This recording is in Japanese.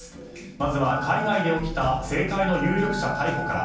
まずは海外で起きた政界の有力者逮捕から。